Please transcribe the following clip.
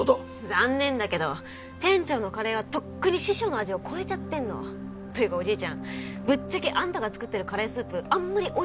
残念だけど店長のカレーはとっくに師匠の味を超えちゃってんの。というかおじいちゃんぶっちゃけあんたが作ってるカレースープあんまりおいしくないから。